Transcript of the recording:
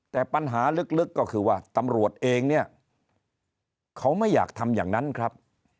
แต่ปัญหาลึกก็คือว่าตำรวจเองเนี่ยเขาไม่อยากทำอย่างนั้นครับ